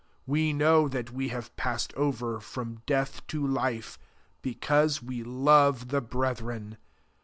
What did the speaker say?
14 We know that we have passed over from death to life, because we love the brethren.